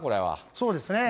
そうですね。